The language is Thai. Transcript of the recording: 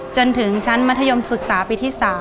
จนถึงชั้นมัธยมศึกษาปีที่๓